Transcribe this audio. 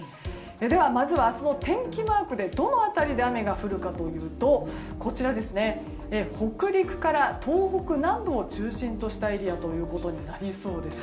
では明日の天気マークでどの辺りに雨が降るかというと北陸から東北南部を中心としたエリアとなりそうです。